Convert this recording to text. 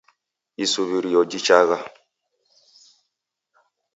Isuw'irio jichagha.